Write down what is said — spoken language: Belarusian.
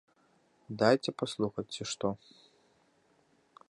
Дайце паслухаць, ці што.